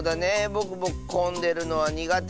ぼくもこんでるのはにがて。